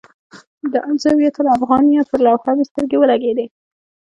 د الزاویة الافغانیه پر لوحه مې سترګې ولګېدې.